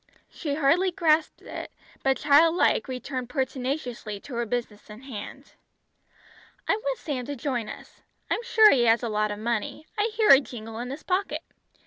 She hardly grasped it, but child like returned pertinaciously to her business in hand. "I want Sam to join us. I'm sure he has a lot of money. I hear it jingle in his pocket.